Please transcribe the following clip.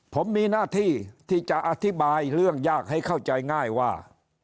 ผมมีหน้าที่ที่จะอธิบายเรื่องยากให้เข้าใจง่ายว่า